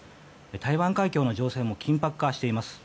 台湾海峡の情勢も緊迫化しています。